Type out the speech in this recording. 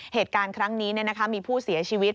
เหตุการณ์ครั้งนี้เนี่ยนะคะมีผู้เสียชีวิต